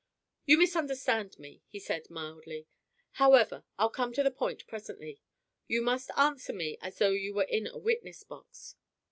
"You misunderstand me," he said mildly. "However, I'll come to the point presently. You must answer me as though you were in a witness box."